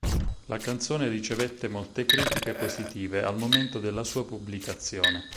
La canzone ricevette molte critiche positive al momento della sua pubblicazione.